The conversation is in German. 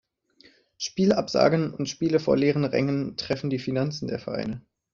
Spielabsagen und Spiele vor leeren Rängen treffen die Finanzen der Vereine.